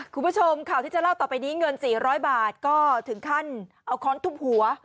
คุณผู้ชมข่าวที่จะเล่าต่อไปนี้เงิน๔๐๐บาทก็ถึงขั้นเอาค้อนทุบหัว